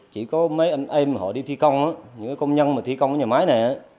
chỉ có mấy anh em họ đi thi công những công nhân mà thi công nhà máy này